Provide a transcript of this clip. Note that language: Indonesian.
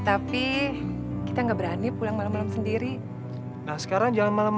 aku tidak pernah memikirkan keamanan milikmu